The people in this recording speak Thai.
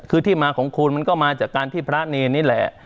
คือที่มาของคุณมันก็มาจากการที่พระเนรนี่แหละ